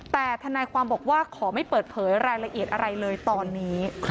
แต่ทนายความบอกว่าขอไม่เปิดเผยรายละเอียดอะไรเลยตอนนี้